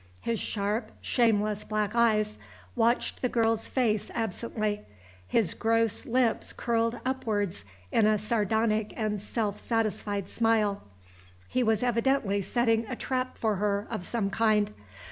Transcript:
His sharp, shameless black eyes watched the girl's face absently; his gross lips curled upwards in a sardonic and self satisfied smile. He was evidently setting a trap for her of some kind.